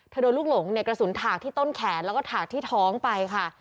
โดนลูกหลงในกระสุนถากที่ต้นแขนแล้วก็ถากที่ท้องไปค่ะ